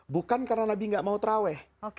bukan karena nabi gak mau terawih